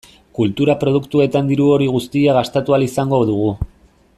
Kultura produktuetan diru hori guztia gastatu ahal izango dugu.